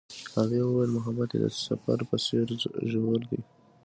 هغې وویل محبت یې د سفر په څېر ژور دی.